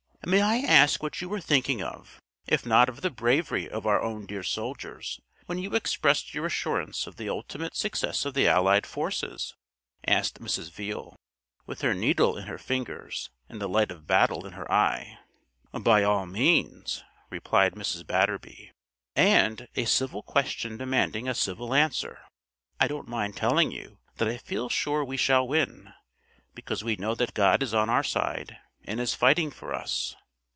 "May I ask what you were thinking of if not of the bravery of our own dear soldiers when you expressed your assurance of the ultimate success of the Allied Forces?" asked Mrs. Veale, with her needle in her fingers and the light of battle in her eye. "By all means," replied Mrs. Batterby; "and, a civil question demanding a civil answer, I don't mind telling you that I feel sure we shall win, because we know that God is on our side and is fighting for us."